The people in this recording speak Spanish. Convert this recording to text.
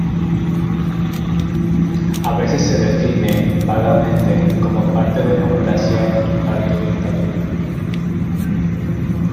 A veces se define vagamente como parte democracia y parte dictadura.